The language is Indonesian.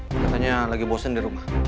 katanya lagi bosen di rumah